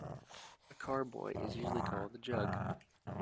A carboy is usually called a jug.